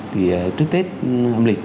thì trước tết âm lịch